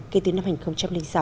kể từ năm hai nghìn sáu